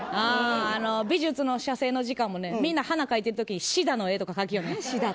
美術の写生の時間もみんな、花を描いてる時にシダの絵とか描いとる。